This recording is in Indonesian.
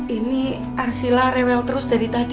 ini arsila rewel terus dari tadi